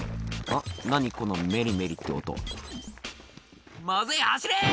「何このメリメリって音」「まずい走れ！」